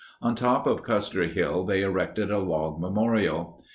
On top of Custer Hill they erected a log memorial.